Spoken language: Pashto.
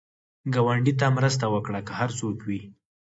ګاونډي ته مرسته وکړه، که هر څوک وي